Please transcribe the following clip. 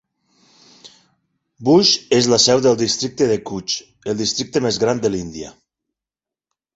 Bhuj és la seu del districte de Kutch, el districte més gran de l'Índia.